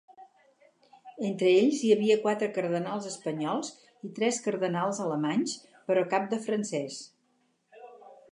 Entre ells hi havia quatre cardenals espanyols i tres cardenals alemanys, però cap de francès.